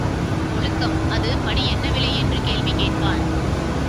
ஒழுக்கம் அது படி என்ன விலை? என்று கேள்வி கேட்பான்.